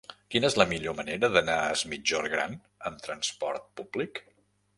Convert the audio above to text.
Quina és la millor manera d'anar a Es Migjorn Gran amb transport públic?